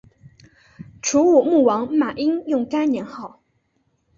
楚武穆王马殷用该年号。